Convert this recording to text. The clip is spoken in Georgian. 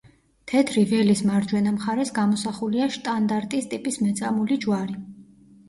თეთრი ველის მარჯვენა მხარეს გამოსახულია შტანდარტის ტიპის მეწამული ჯვარი.